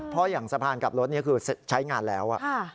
เพราะอย่างสะพานกลับรถนี่คือใช้งานแล้ว